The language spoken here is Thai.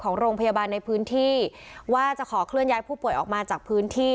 ของโรงพยาบาลในพื้นที่ว่าจะขอเคลื่อนย้ายผู้ป่วยออกมาจากพื้นที่